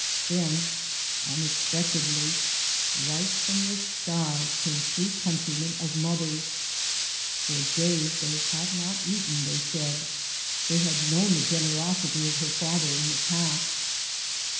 Then, unexpectedly, " right from the sky," came three countrymen of mother's. For days they had not eaten, they said ; they had known [2i] 3 by Google MY MOTHER AND I the generosity of her father in the past.